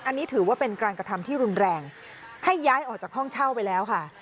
อันนี้ถือว่าเป็นการกระทำที่รุนแรงให้ย้ายออกจากห้องเช่าไปแล้วค่ะ